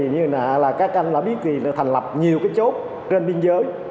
như các anh đã biết thì thành lập nhiều cái chốt trên biên giới